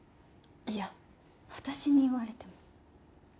いや私に言われても。